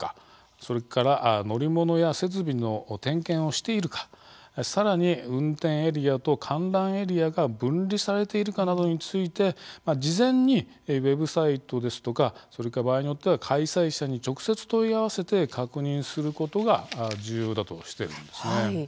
それから乗り物や設備の点検をしているか、さらに運転エリアと観覧エリアが分離されているかなどについて事前にウェブサイトですとかそれから場合によっては開催者に直接問い合わせて確認することが重要だとしているんですね。